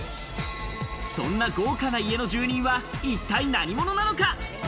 そんな豪華な家の住人は一体何者なのか？